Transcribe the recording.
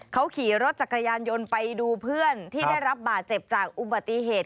เขาขี่รถจักรยานยนต์ไปดูเพื่อนที่ได้รับบาดเจ็บจากอุบัติเหตุ